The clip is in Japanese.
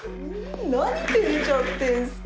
何照れちゃってんすか！